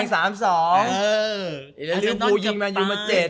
แล้วริ้วภูหูยิงมันอยู่มาเจ็ด